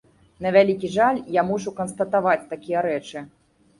На вялікі жаль, я мушу канстатаваць такія рэчы.